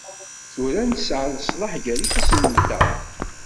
Tura, nesεa leslaḥ gar yifassen-nteɣ.